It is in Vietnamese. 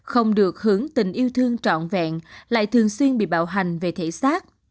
không được hưởng tình yêu thương trọn vẹn lại thường xuyên bị bạo hành về thể xác